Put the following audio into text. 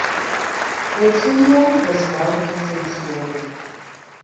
Letelier was born in Santiago.